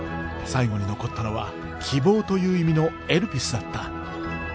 最後に残ったのは希望という意味のエルピスだった。